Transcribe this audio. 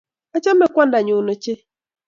Achame kwandanyu ochei